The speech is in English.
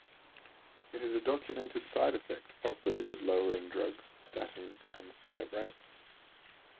It is a documented side effect of the lipid-lowering drugs statins and fibrates.